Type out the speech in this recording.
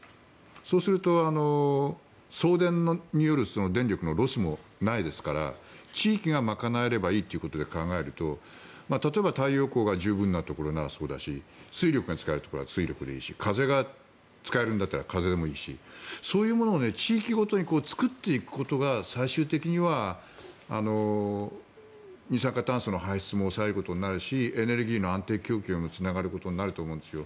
そうすると、送電による電力のロスもないですから地域が賄えればいいということで考えると例えば太陽光が十分なところならそうだし水力が使えるところは水力でいいし風が使えるんだったら風でもいいしそういうものを地域ごとに作っていくことが最終的には二酸化炭素の排出も抑えることになるしエネルギーの安定供給にもつながることになると思うんですよ。